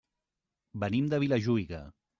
Venim de Vilajuïga.